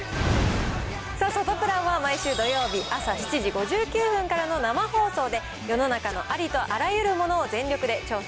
『サタプラ』は毎週土曜日朝７時５９分からの生放送で世の中のありとあらゆるものを全力で調査しています。